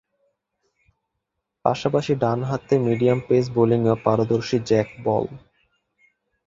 পাশাপাশি ডানহাতে medium pace বোলিংয়েও পারদর্শী জ্যাক বল।